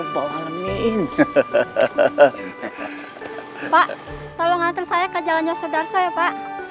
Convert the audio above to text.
pak tolong ngantri saya ke jalannya sodarso ya pak